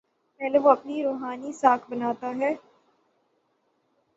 پہلے وہ اپنی روحانی ساکھ بناتا ہے۔